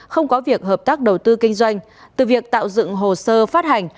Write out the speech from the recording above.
không có việc hợp tác đầu tư kinh doanh từ việc tạo dựng hồ sơ phát hành